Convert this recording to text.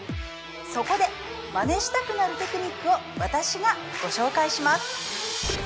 そこでマネしたくなるテクニックを私がご紹介します